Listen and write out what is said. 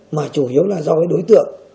mà chủ yếu là do cái đối tượng